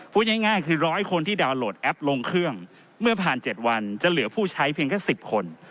พูดง่ายคือ๑๐๐คนที่ดาวนโหลดแอปลงเครื่องเมื่อผ่าน๗วันจะเหลือผู้ใช้เพียงแค่๑๐คน